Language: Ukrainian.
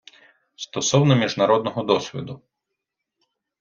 Стосовно міжнародного досвіду.